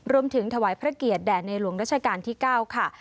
รวมถึงถวายพระเกียรติแด่ในหลวงราชการที่๙ค่ะ